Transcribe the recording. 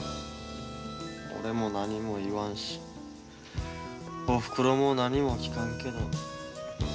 俺も何も言わんしおふくろも何も聞かんけど。